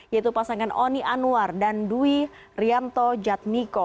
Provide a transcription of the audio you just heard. yaitu pasangan oni anwar dan dwi rianto jatmiko